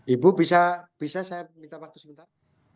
ibu bisa saya minta waktu sebentar